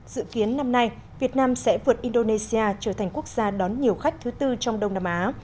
dự kiến năm nay việt nam sẽ vượt indonesia trở thành quốc gia đón nhiều khách thứ tư trong đông nam á